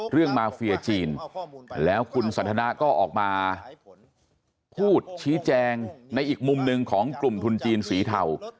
เรื่องมาเฟียจีนแล้วคุณสันทนาก็ออกมาพูดชี้แจงในอีกมุมหนึ่งของกลุ่มทุนจีนสีเทา